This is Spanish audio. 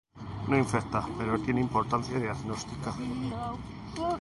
No infectan pero tienen importancia diagnóstica.